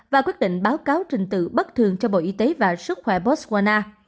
và quyết định báo cáo trình tự bất thường cho bộ y tế và sức khỏe botswana